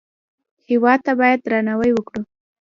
هېواد ته باید درناوی وکړو